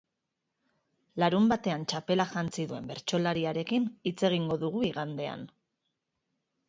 Larunbatean txapela jantzi duen bertsolariarekin hitz egingo dugu igandean.